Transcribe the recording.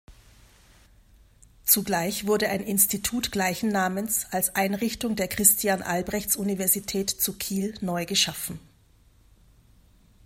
Zugleich wurde ein Institut gleichen Namens als Einrichtung der Christian-Albrechts-Universität zu Kiel neu geschaffen.